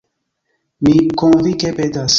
Mi konvinke petas.